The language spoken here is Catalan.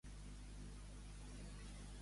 Pescar a l'eixut.